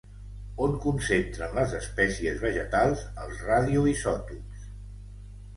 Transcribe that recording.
On concentren les espècies vegetals els radioisòtops?